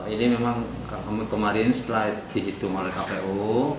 ini memang kemarin setelah dihitung oleh kpu